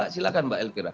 silahkan mbak elkira